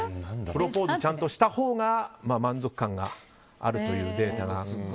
プロポーズちゃんとしたほうが満足感があるというデータが。